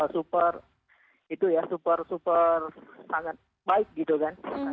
super itu ya super super sangat baik gitu kan